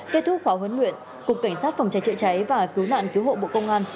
kết thúc khóa huấn luyện cục cảnh sát phòng cháy chữa cháy và cứu nạn cứu hộ bộ công an